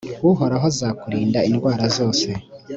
uhoraho azakurinda indwara zose